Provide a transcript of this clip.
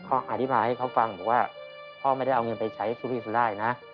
พ่ออธิบายให้เขาฟังว่าพ่อไม่ได้เอาเงินไปใช้สู้พี่สุดได้นะ